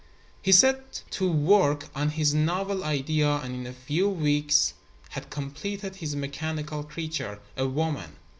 He set to work on his novel idea and in a few weeks had completed his mechanical creature, a woman.